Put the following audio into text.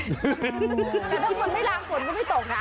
แต่ถ้าคนไม่ล้างฝนก็ไม่ตกนะ